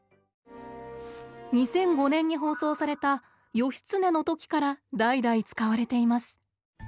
２００５年に放送された「義経」の時から代々使われています。